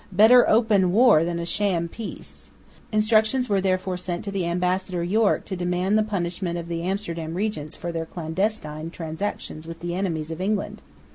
Better open war than a sham peace. Instructions were therefore sent to the ambassador Yorke to demand the punishment of the Amsterdam regents for their clandestine transactions with the enemies of England.